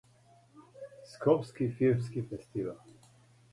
Скопски филмски фестивал.